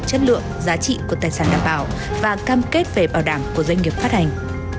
chất lượng giá trị của tài sản đảm bảo và cam kết về bảo đảm của doanh nghiệp phát hành